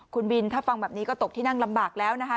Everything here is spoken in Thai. คุณบินถ้าฟังแบบนี้ก็ตกที่นั่งลำบากแล้วนะคะ